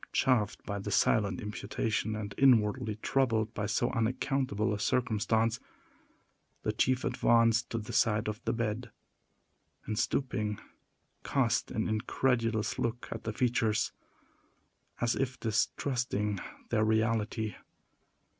Chafed by the silent imputation, and inwardly troubled by so unaccountable a circumstance, the chief advanced to the side of the bed, and, stooping, cast an incredulous look at the features, as if distrusting their reality.